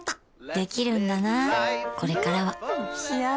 できるんだなこれからはん！